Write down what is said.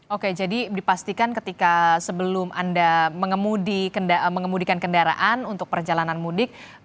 oke jadi dipastikan ketika sebelum anda mengemudikan kendaraan untuk perjalanan mudik